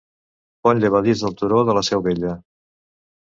Pont llevadís del Turó de la Seu Vella.